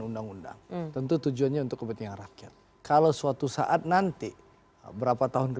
undang undang tentu tujuannya untuk kepentingan rakyat kalau suatu saat nanti berapa tahun ke